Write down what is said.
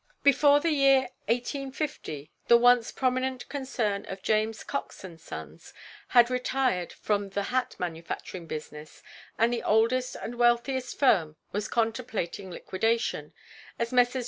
Before the year 1850 the once prominent concern of James Cox & Sons had retired from the hat manufacturing business, and the oldest and wealthiest firm was contemplating liquidation, as Messrs.